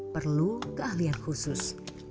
perlu keahlian khusus